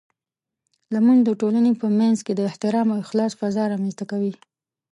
لمونځ د ټولنې په منځ کې د احترام او اخلاص فضاء رامنځته کوي.